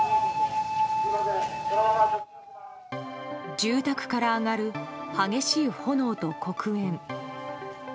住宅から上がる激しい炎と黒煙。